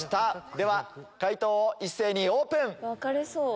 では解答を一斉にオープン。